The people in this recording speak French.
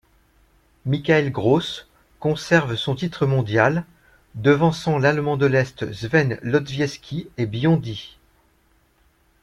Michael Groß conserve son titre mondial, devançant l'Allemand de l'Est Sven Lodziewski et Biondi.